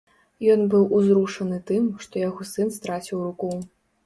Ён быў узрушаны тым, што яго сын страціў руку.